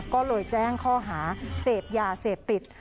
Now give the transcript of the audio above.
ก็เลยแจ้งข้อหาเสพยาเสพติด